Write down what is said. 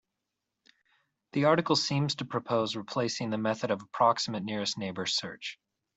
The article seems to propose replacing the method of approximate nearest neighbor search.